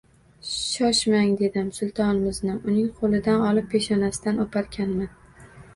Shoshmang, dedim Sultonimizni uning qo`lidan olib, peshonasidan o`parkanman